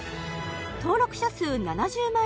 登録者数７０万